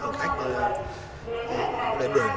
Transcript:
hành khách lên đường